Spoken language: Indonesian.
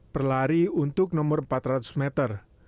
perlari untuk nomor empat ratus empat belas